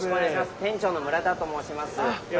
店長の村田ともうします。